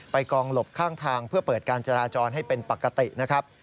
กองหลบข้างทางเพื่อเปิดการจราจรให้เป็นปกตินะครับ